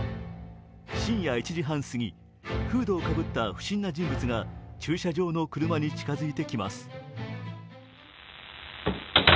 深夜１時半過ぎ、フードをかぶった不審な人物が駐車場の車に近づいてきます。